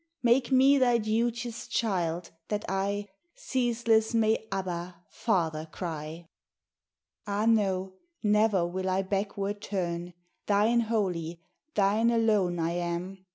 Make me thy duteous child, that I Ceaseless may Abba, Father, cry. Ah! no; ne'er will I backward turn: Thine wholly, thine alone I am.